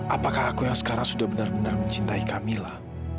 apakah aku yang sekarang sudah benar benar mencintai kamila